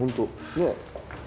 ねえ？